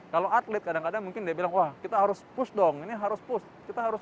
kalau atlet kadang kadang mungkin dia bilang wah kita harus push dong ini harus push